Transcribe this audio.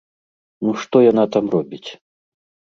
Ну што яна там робіць?